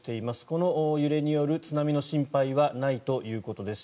この揺れによる津波の心配はないということです。